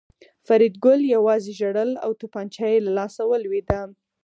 فریدګل یوازې ژړل او توپانچه یې له لاسه ولوېده